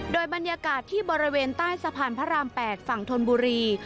โดยบรรยากาศที่บริเวณใต้สะพานพระราม๘ฝั่งธนบุรี